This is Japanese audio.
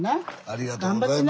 ありがとうございます。